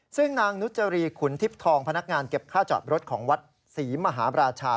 ซึ่งนางนุจรีขุนทิพย์ทองพนักงานเก็บค่าจอดรถของวัดศรีมหาราชา